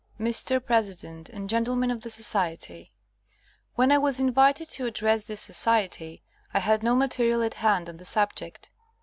Mr. President and Gentlemen of the Society : "When" I was invited to address this society I had no mate rial at hand on the subject.